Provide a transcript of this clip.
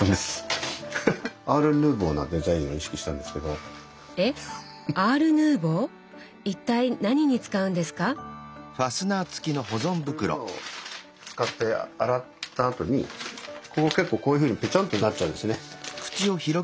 こういうものを使って洗ったあとにここ結構こういうふうにぺちゃんとなっちゃうんですね。